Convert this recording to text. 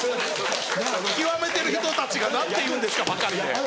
極めてる人たちが「何ていうんですか」ばかりで。